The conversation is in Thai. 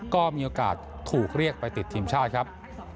ก็มีโอกาสถูกเรียกไปติดทีมชาติครับ